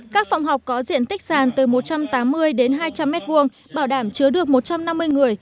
các phòng học có diện tích sàn từ một trăm tám mươi đến hai trăm linh m hai bảo đảm chứa được một trăm năm mươi người